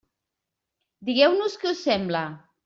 Digueu-nos que us sembla!